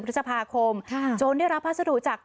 สวัสดีสวัสดีสวัสดีสวัสดี